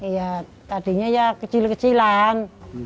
ya tadinya ya kecil kecilan